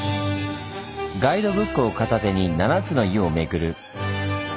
ガイドブックを片手に七つの湯をめぐる。